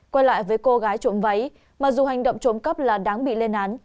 quay lại với cô gái trộm váy mặc dù hành động trộm cắp là đáng bị lên án